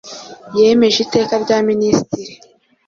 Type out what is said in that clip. yemeje iteka rya Minisitiri